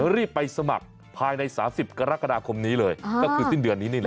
รีบไปสมัครภายใน๓๐กรกฎาคมนี้เลยก็คือสิ้นเดือนนี้นี่แหละ